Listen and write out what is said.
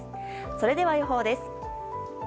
それでは予報です。